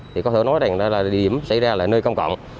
thì có thể nói là địa điểm xảy ra là nơi công cộng